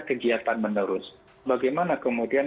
kegiatan menerus bagaimana kemudian